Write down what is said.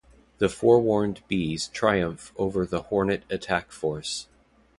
The forewarned bees triumph over the hornet attack force.